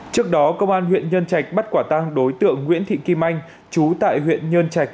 trước đó công an huyện nhân trạch bắt quả tăng đối tượng nguyễn thị kim anh chú tại huyện nhơn trạch